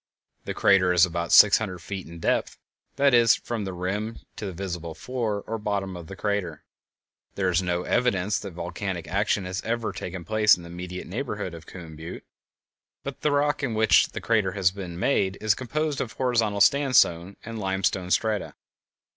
The crater is about six hundred feet in depth—that is, from the rim to the visible floor or bottom of the crater. There is no evidence that volcanic action has ever taken place in the immediate neighborhood of Coon Butte. The rock in which the crater has been made is composed of horizontal sandstone and limestone strata.